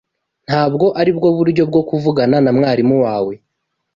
Ntabwo aribwo buryo bwo kuvugana na mwarimu wawe.